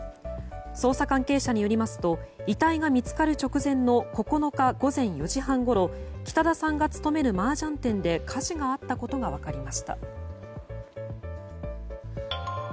捜査関係者によりますと遺体が見つかる直前の９日午前４時半ごろ北田さんが勤めるマージャン店で火事があったことが分かりました。